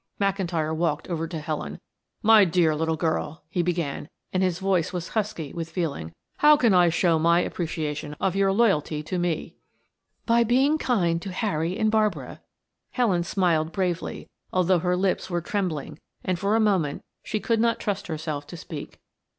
McIntyre walked over to Helen. "My dear little girl," he began and his voice was husky with feeling. "How can I show my appreciation of your loyalty to me?" "By being kind to Harry and Barbara." Helen smiled bravely, although her lips were trembling and for a moment she could not trust herself to speak.